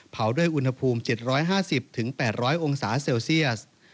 ด้วยอุณหภูมิ๗๕๐๘๐๐องศาเซลเซียส